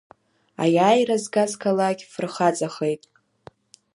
Аиааира згаз қалақь фырхаҵахеит.